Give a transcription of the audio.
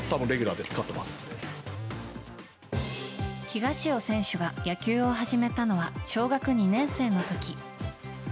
東尾選手が野球を始めたのは小学２年生の時。